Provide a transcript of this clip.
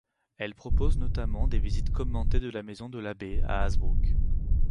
Elle propose notamment des visites commentées de la maison de l'abbé à Hazebrouck.